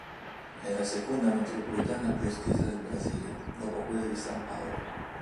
È la seconda metropolitana più estesa del Brasile, dopo quella di San Paolo.